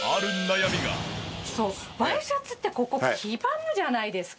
ワイシャツってここ黄ばむじゃないですか？